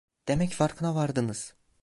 Demek farkına vardınız!